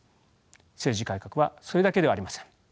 政治改革はそれだけではありません。